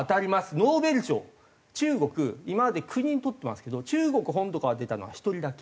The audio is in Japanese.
ノーベル賞中国今まで９人とってますけど中国本土から出たのは１人だけ。